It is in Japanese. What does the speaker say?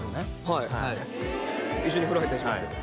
はい一緒に風呂入ったりしますよ